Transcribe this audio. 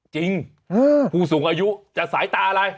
จริงผู้สูงอายุจะสายตาอะไร